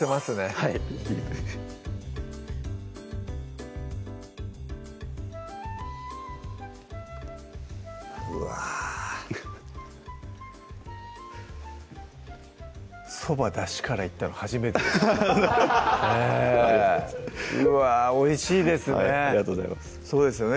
はいうわぁそばだしからいったの初めてうわぁおいしいですねありがとうございますそうですよね